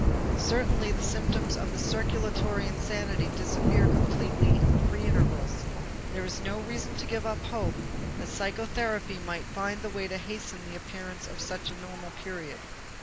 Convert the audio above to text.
Certainly the symptoms of the circulatory insanity disappear completely in the free intervals; there is no reason to give up hope that psychotherapy might find the way to hasten the appearance of such a normal period.